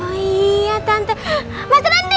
oh iya tante nanti